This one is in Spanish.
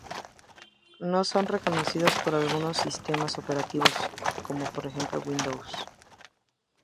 No son reconocidos por algunos sistemas operativos, como por ejemplo Windows.